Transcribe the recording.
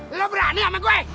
lo berani sama gue